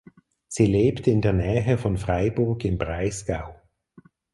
Sie lebt in der Nähe von Freiburg im Breisgau.